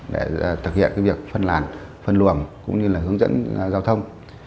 để thực hiện việc phân làn phân luồng cũng như là hướng dẫn giao thông